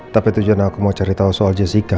tapi tujuan aku mau cari tahu soal jessica